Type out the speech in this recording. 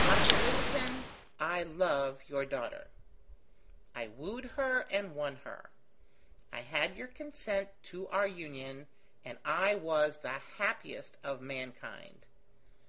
"Dr Middleton, I love your daughter. I wooed her and won her; I had your consent to our union, and I was the happiest of mankind.